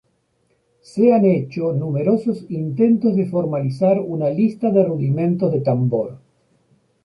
Se han hecho numerosos intentos de formalizar una lista de rudimentos de tambor.